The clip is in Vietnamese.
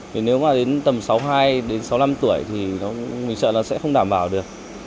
vì nếu mà đến tầm sáu mươi hai đến sáu mươi năm tuổi thì mình sợ là sẽ không đảm bảo được